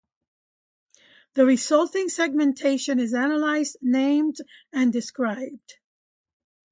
The resulting segmentation is analysed, named and described.